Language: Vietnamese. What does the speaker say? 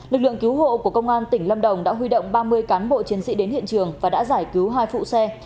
lực lượng cứu hộ của công an tỉnh lâm đồng đã huy động ba mươi cán bộ chiến sĩ đến hiện trường và đã giải cứu hai phụ xe